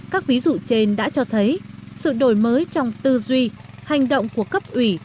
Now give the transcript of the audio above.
các ví dụ trên đã cho thấy sự đổi mới trong tư duy hành động của cấp ủy